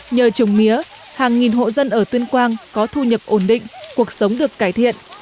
nhờ trồng mía hàng nghìn hộ dân ở tuyên quang có thu nhập ổn định cuộc sống được cải thiện